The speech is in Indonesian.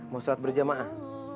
mau sholat berjamaah